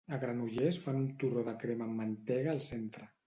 A Granollers fan un torró de crema amb mantega al centre.